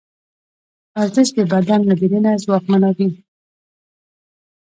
ورزش د بدن له دننه ځواکمنوي.